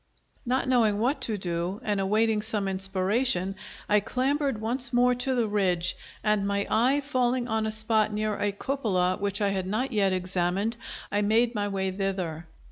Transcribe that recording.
Not knowing what to do, and awaiting some inspiration, I clambered once more to the ridge; and my eye falling on a spot near a cupola, which I had not yet examined, I made my way thither.